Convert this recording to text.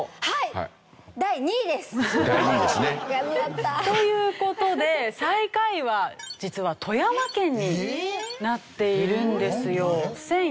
はい第２位です！という事で最下位は実は富山県になっているんですよ。